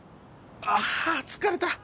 あ疲れた！